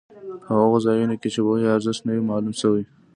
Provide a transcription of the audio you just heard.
په هغو ځایونو کې چې پوهې ارزښت نه وي معلوم شوی.